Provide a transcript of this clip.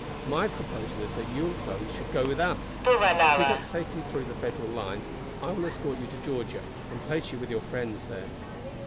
My proposal is that you and Chloe should go with us. If we get safely through the Federal lines I will escort you to Georgia and place you with your friends there."